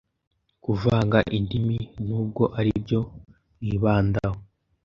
kuvanga indimi n’ubwo aribyo mwibandaho